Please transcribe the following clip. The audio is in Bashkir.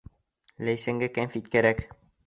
Ләйсәнгә кәнфит кәрәк!